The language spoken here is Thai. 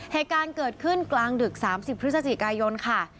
เหตุการณ์เกิดขึ้นกลางดึก๓๐พฤศจิกายนค่ะ